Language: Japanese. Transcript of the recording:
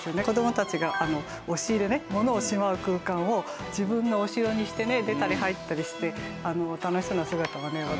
子どもたちが押し入れねものをしまう空間を自分のお城にしてね出たり入ったりして楽しそうな姿はね